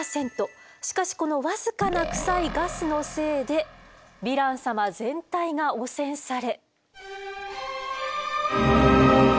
しかしこの僅かなクサいガスのせいでヴィラン様全体が汚染され。